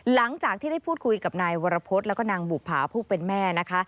หลังจากที่ได้พูดคุยกับนายวรพฤษแล้วก็นางบุภาผู้เป็นแม่นะคะ